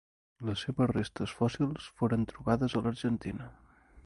Les seves restes fòssils foren trobades a l'Argentina.